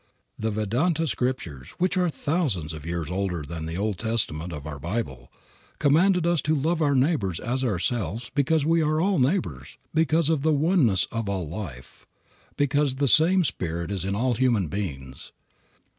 The Vedanta scriptures, which are thousands of years older than the Old Testament of our Bible, commanded us to love our neighbors as ourselves because we are all neighbors, because of the oneness of all life, because the same spirit is in all human beings.